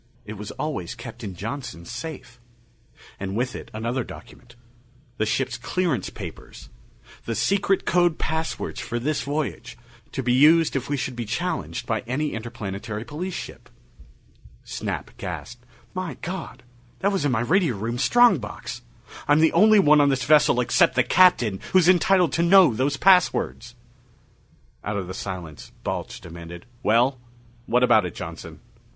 It was always kept in Johnson's safe. And with it, another document: the ship's clearance papers the secret code passwords for this voyage, to be used if we should be challenged by any Interplanetary Police ship. Snap gasped, "My God, that was in my radio room strong box! I'm the only one on this vessel except the Captain who's entitled to know those passwords!" Out of the silence, Balch demanded, "Well, what about it, Johnson?"